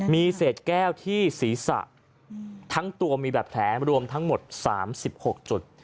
มีเศษแก้วที่ศีรษะทั้งตัวมีแบบแผลรวมทั้งหมด๓๖จุด